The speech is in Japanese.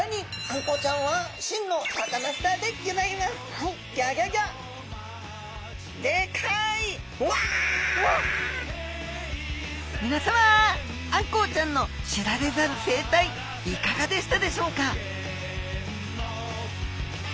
あんこうちゃんの知られざる生態いかがでしたでしょうか？